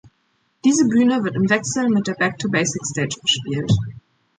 Diese Bühne wird im Wechsel mit der "Back to Basics Stage" bespielt.